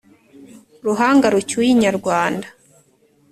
Ruhanga rucyuye inyarwanda !